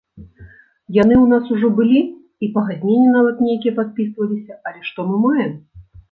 Яны ў нас ужо былі, і пагадненні нават нейкія падпісваліся, але што мы маем?